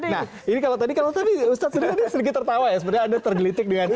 nah ini kalau tadi kalau tadi ustadz sedikit tertawa ya sebenarnya anda tergelitik dengan ini